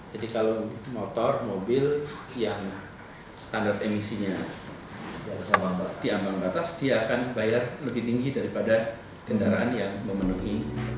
jadi kalau motor mobil yang standar emisinya diambang ke atas dia akan bayar lebih tinggi daripada kendaraan yang memenuhi